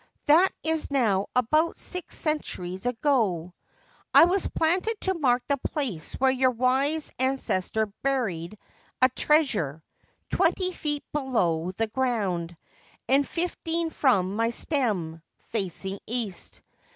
That is now about six centuries ago. I was planted to mark the place where your wise ancestor buried a treasure — twenty feet below the ground, and fifteen from my stem, facing east.